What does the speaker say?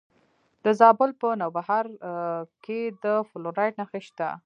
د زابل په نوبهار کې د فلورایټ نښې شته.